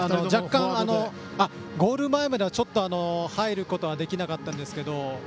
ゴール前まではちょっと入ることはできなかったんですけど。